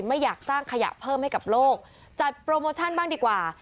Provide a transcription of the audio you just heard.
ไม่อยากสร้างขยะเพิ่มให้กับโลกจัดโปรโมชั่นบ้างดีกว่า